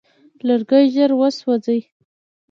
لرګی ژر وسوځي.